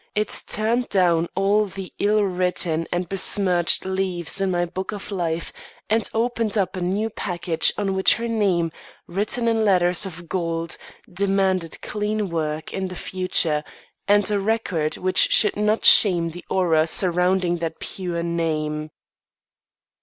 It turned down all the ill written and besmirched leaves in my book of life and opened up a new page on which her name, written in letters of gold, demanded clean work in the future and a record which should not shame the aura surrounding that pure name.